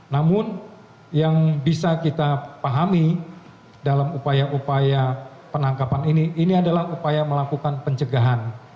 namun yang bisa kita pahami dalam upaya upaya penangkapan ini ini adalah upaya melakukan pencegahan